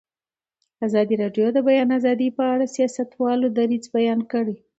ازادي راډیو د د بیان آزادي په اړه د سیاستوالو دریځ بیان کړی.